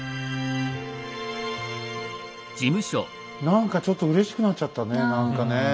何かちょっとうれしくなっちゃったね何かね。